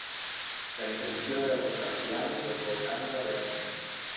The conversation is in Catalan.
La intenció era buscar els llamps i els volcans a Venus.